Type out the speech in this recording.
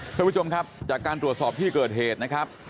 ท่านผู้ชมครับจากการตรวจสอบที่เกิดเหตุนะครับ